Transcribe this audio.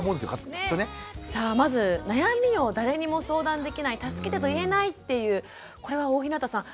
さあまず悩みを誰にも相談できない助けてと言えないっていうこれは大日向さん